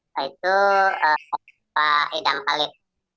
yaitu pak edam kalit